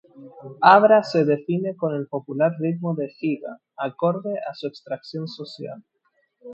Abra se define con el popular ritmo de giga, acorde a su extracción social.